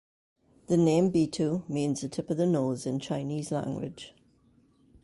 The name "Bitou" means the tip of the nose in Chinese language.